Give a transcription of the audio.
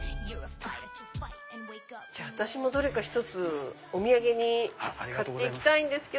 私もどれか１つお土産に買って行きたいんですけど。